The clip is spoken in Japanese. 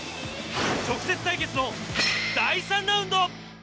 直接対決の第３ラウンド。